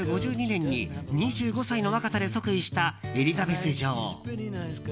１９５２年に２５歳の若さで即位したエリザベス女王。